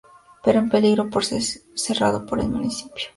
Pero en peligro por ser cerrado por el municipio.